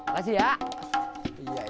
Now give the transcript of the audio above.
terima kasih ya